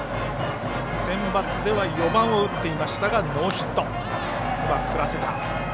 センバツでは４番を打っていましたがノーヒット。